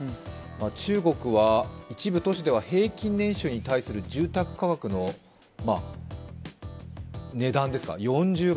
中国は、一部都市では平均年収に対する住宅価格の値段、４０倍。